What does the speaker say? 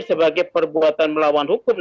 sebagai perbuatan melawan hukum